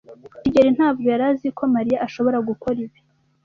kigeli ntabwo yari azi ko Mariya ashobora gukora ibi.